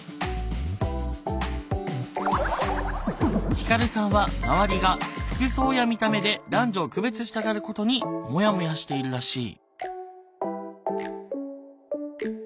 ひかるさんは周りが服装や見た目で男女を区別したがることにモヤモヤしているらしい。